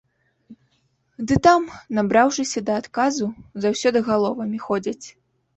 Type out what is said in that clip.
Ды там, набраўшыся да адказу, заўсёды галовамі ходзяць.